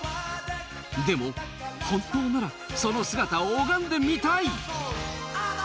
でも本当ならその姿を拝んでみたい。